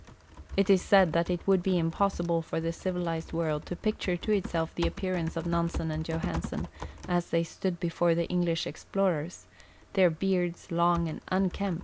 It is said that it Avould be impossible for the ciA'ilized Avorld to picture to itself the appearance of Nansen and Johansen as they stood before the English explorers, their beards long and unkem])!